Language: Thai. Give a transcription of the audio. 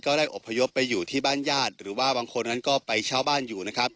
ได้อบพยพไปอยู่ที่บ้านญาติหรือว่าบางคนนั้นก็ไปเช่าบ้านอยู่นะครับ